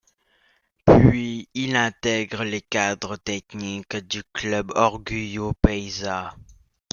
Puis il intègre les cadres techniques du club Orgullo Paisa.